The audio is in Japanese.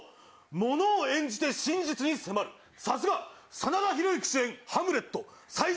物を演じて真実に迫る、さすが真田広之主演